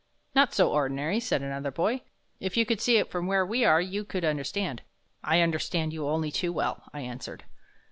"Not so ordinary," said another boy. "If you could see it from where we are you could understand." "I understand you only too well," I answered.